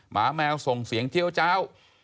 หมาแมวส่งเสียงเจี้ยวเจ้า